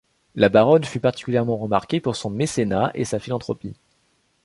La baronne fut particulièrement remarquée pour son mécénat et sa philanthropie.